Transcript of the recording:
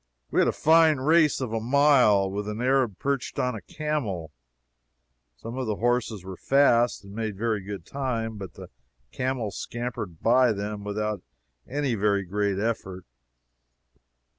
We had a fine race, of a mile, with an Arab perched on a camel. Some of the horses were fast, and made very good time, but the camel scampered by them without any very great effort.